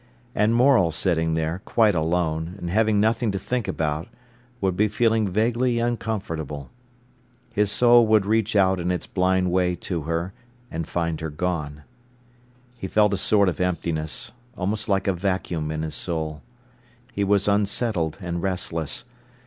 And Morel sitting there, quite alone, and having nothing to think about, would be feeling vaguely uncomfortable. His soul would reach out in its blind way to her and find her gone. He felt a sort of emptiness, almost like a vacuum in his soul. He was unsettled and restless.